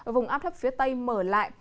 vùng áp thấp phía tây mở lại